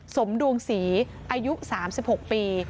สมดวงศรีอายุ๓๖ปี